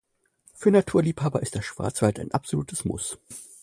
Für Naturliebhaber ist der Schwarzwald ein absolutes Muss.